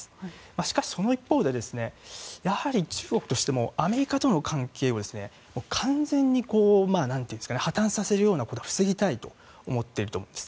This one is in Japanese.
しかし、その一方で中国としてもアメリカとの関係を完全に破綻させるようなことは防ぎたいと思っていると思うんです。